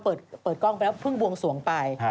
เปิดกล้องไปแล้วเพิ่งบวงสวงไป